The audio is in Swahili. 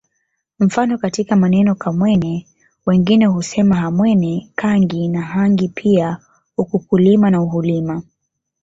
Mfano katika maneno Kamwene wengine husema Hamwene Kangi na hangi pia ukukulima na uhulima